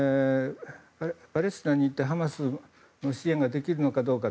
パレスチナに行ってハマスの支援ができるのかどうか。